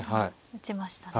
打ちましたね。